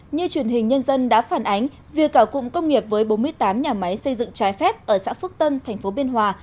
như truyền hình nhân dân đã phản ánh việc cả cụm công nghiệp với bốn mươi tám nhà máy xây dựng trái phép ở xã phước tân tp biên hòa